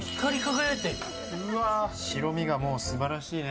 白身が素晴らしいね。